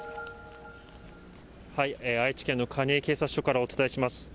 愛知県の蟹江警察署からお伝えします。